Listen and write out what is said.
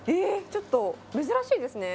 ちょっと珍しいですね。